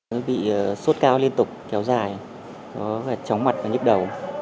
nó bị sốt cao liên tục kéo dài có cả tróng mặt và nhức đầu